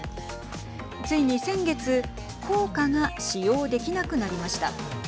ついに先月硬貨が使用できなくなりました。